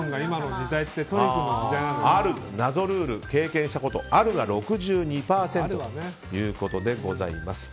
謎ルール経験したことあるが６２％でございます。